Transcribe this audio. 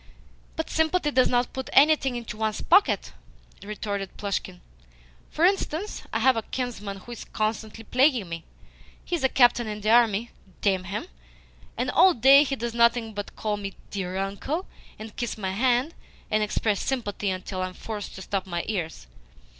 "But sympathy does not put anything into one's pocket," retorted Plushkin. "For instance, I have a kinsman who is constantly plaguing me. He is a captain in the army, damn him, and all day he does nothing but call me 'dear uncle,' and kiss my hand, and express sympathy until I am forced to stop my ears.